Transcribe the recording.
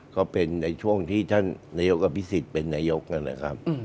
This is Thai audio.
ก็เป็นในช่วงที่ท่านนายกประพิสิทธิ์เป็นนายกนะครับ